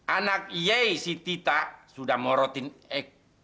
anak ye si tita sudah morotin x